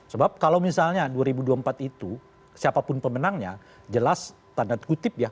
sebab kalau misalnya dua ribu dua puluh empat itu siapapun pemenangnya jelas tanda kutip ya